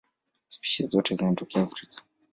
Spishi zote zinatokea Afrika.